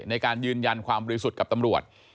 ในการยืนยันความดีสุดกับตำรวจ